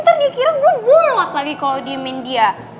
ntar dia kira gue bulot lagi kalo diemin dia